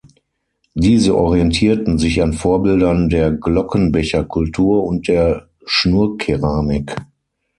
Diese orientierten sich an Vorbildern der Glockenbecherkultur und der Schnurkeramik.